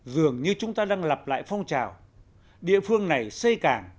dường như chúng ta đang lặp lại phong trào địa phương này xây cảng